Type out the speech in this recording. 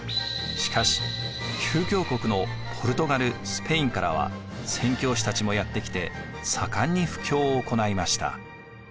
しかし旧教国のポルトガル・スペインからは宣教師たちもやって来て盛んに布教を行いました。